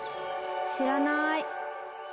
知らない。